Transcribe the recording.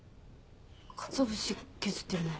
かつお節削ってるね。